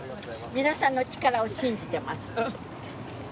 皆さんの力を信じています。